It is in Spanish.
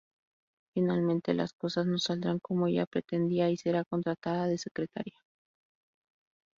Finalmente las cosas no saldrán como ella pretendía y será contratada de secretaria.